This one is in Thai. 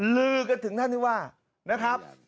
ลือก็ถึงท่านที่ว่า